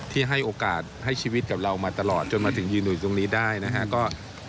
ให้โอกาสให้ชีวิตกับเรามาตลอดจนมาถึงยืนอยู่ตรงนี้ได้นะฮะ